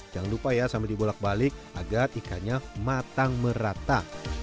jangan lupa ya sambil dibolak balik agar ikannya matang merata